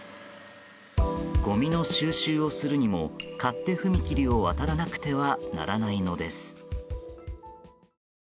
ごみの収集をするにも勝手踏切を渡らなくてはならないのです。